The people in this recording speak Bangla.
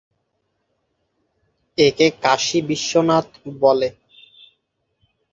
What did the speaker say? একে কাশী বিশ্বনাথ বলে।